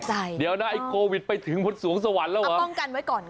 ใช่แล้วค่ะ